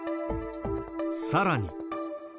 さらに。